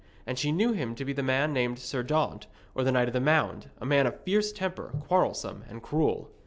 And she knew him to be a man named Sir Daunt, or the Knight of the Mount, a man of fierce temper, quarrelsome and cruel.